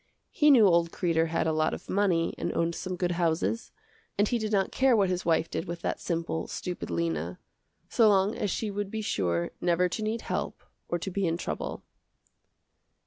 He knew old Kreder had a lot of money and owned some good houses, and he did not care what his wife did with that simple, stupid Lena, so long as she would be sure never to need help or to be in trouble.